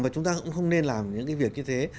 và chúng ta cũng không nên làm những cái việc như thế